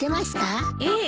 ええ。